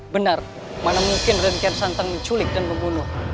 benar mana mungkin raden kian santang menculik dan membunuh